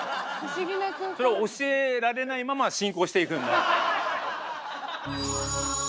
それは教えられないまま進行していくんだ？